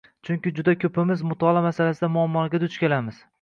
Chunki juda koʻpimiz mutolaa masalasida muammolarga duch kelamiz